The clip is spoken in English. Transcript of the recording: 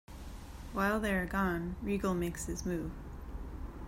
While they are gone, Regal makes his move.